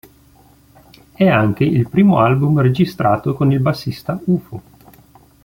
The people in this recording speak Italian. È anche il primo album registrato con il bassista Ufo.